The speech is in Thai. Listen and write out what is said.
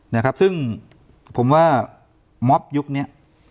นะครับซึ่งผมว่ามอบยุคเนี้ย